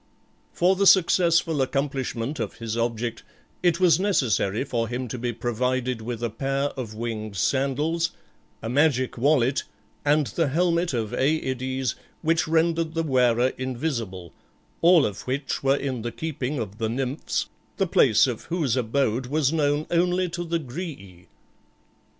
For the successful accomplishment of his object it was necessary for him to be provided with a pair of winged sandals, a magic wallet, and the helmet of Aïdes, which rendered the wearer invisible, all of which were in the keeping of the Nymphs, the place of whose abode was known only to the Grææ.